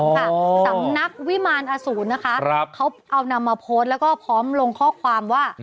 สำนักวิมารอสูรนะคะเขาเอานำมาโพสต์แล้วก็พร้อมลงข้อความว่า